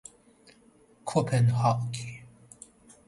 کپنهاگ